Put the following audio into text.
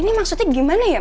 ini maksudnya gimana ya